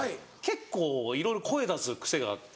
結構いろいろ声出す癖があって。